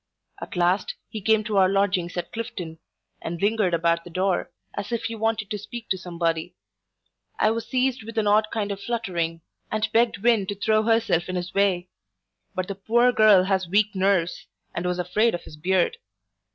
At last, he came to our lodgings at Clifton, and lingered about the door, as if he wanted to speak to somebody I was seized with an odd kind of fluttering, and begged Win to throw herself in his way: but the poor girl has weak nerves, and was afraid of his beard.